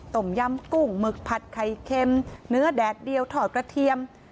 ต้มยำกุ้งหมึกผัดไข่เค็มเนื้อแดดเดียวถอดกระเทียม